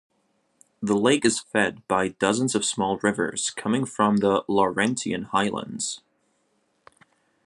The lake is fed by dozens of small rivers coming from the Laurentian Highlands.